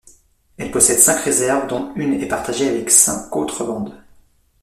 Elle possède cinq réserves dont une est partagée avec cinq autres bandes.